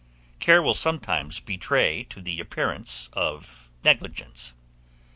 Care will sometimes betray to the appearance of negligence.